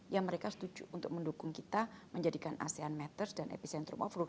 ya mereka setuju untuk mendukung kita menjadikan asean matters dan epicentrum off road